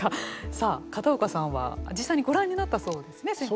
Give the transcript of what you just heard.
さあ、片岡さんは、実際にご覧になったそうですね、線刻。